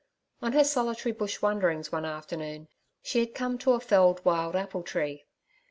On her solitary bush wanderings one afternoon she had come to a felled wild apple tree.